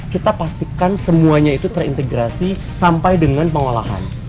kita pastikan semuanya terintegrasi sampai dengan pengelolaan